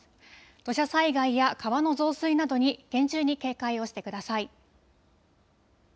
土砂災害や川の増水などに厳重に警戒をしてください。